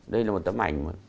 đây là một tấm ảnh mà